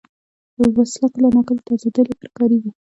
وسله کله ناکله د ازادۍ لپاره کارېږي